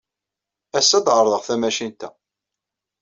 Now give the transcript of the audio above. Ass-a, ad ɛerḍeɣ tamacint-a.